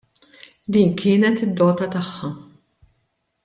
Din kienet id-dota tagħha.